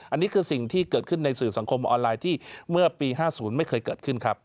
อันนี้คือสิ่งที่เกิดขึ้นในสื่อสังคมออนไลน์ที่เมื่อปี๕๐ไม่เคยเกิดขึ้นครับ